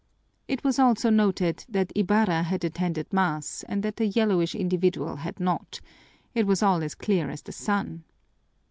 It was also noted that Ibarra had attended mass and that the yellowish individual had not it was all as clear as the sun!